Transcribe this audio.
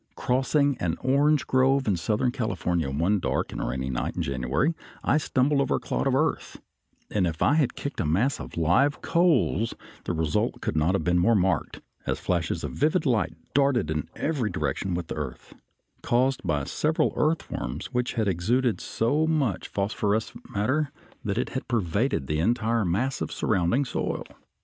Crossing an orange grove in southern California one dark and rainy night in January, I stumbled over a clod of earth, and if I had kicked a mass of live coals, the result could not have been more marked, as flashes of vivid light darted in every direction with the earth, caused by several earthworms which had exuded so much phosphorescent matter that it had pervaded the entire mass of surrounding soil.